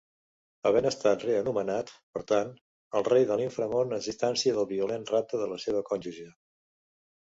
Havent estat reanomenat, per tant, el rei de l'inframón es distancia del violent rapte de la seva cònjuge.